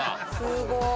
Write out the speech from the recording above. すごい。